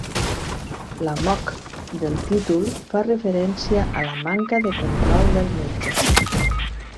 L'amok del títol fa referència a la manca de control del metge.